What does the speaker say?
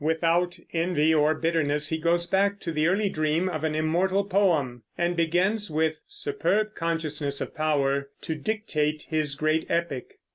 Without envy or bitterness he goes back to the early dream of an immortal poem and begins with superb consciousness of power to dictate his great epic.